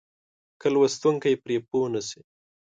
که لوستونکی پرې پوه نه شي.